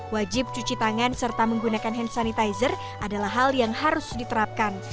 wajib cuci tangan serta menggunakan hand sanitizer adalah hal yang harus diterapkan